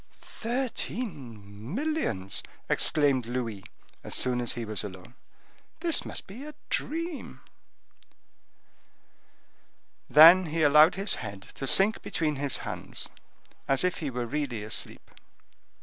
"Thirteen millions!" exclaimed Louis, as soon as he was alone. "This must be a dream!" Then he allowed his head to sink between his hands, as if he were really asleep.